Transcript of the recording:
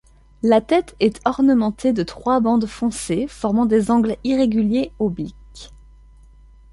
La tête est ornementée de trois bandes foncées formant des angles irréguliers obliques.